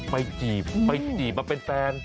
จีบไปจีบมาเป็นแฟน